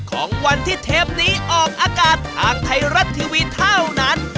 ของวันที่เทปนี้ออกอากาศทางไทยรัฐทีวีเท่านั้น